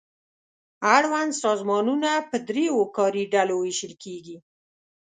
اړوند سازمانونه په دریو کاري ډلو وېشل کیږي.